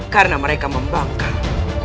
karena mereka membangkang